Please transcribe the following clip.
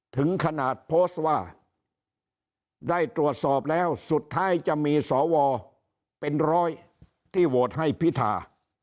ถึงขนาดโพสต์ว่าได้ตรวจสอบแล้วสุดท้ายจะมีสวเป็นร้อยที่โหวตให้พิธา